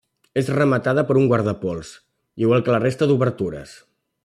És rematada per un guardapols, igual que la resta d'obertures.